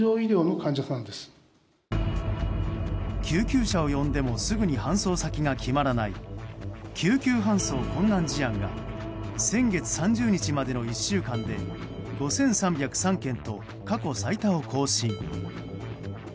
救急車を呼んでもすぐに搬送先が決まらない救急搬送困難事案が先月３０日までの１週間で５３０３件と過去最多を更新。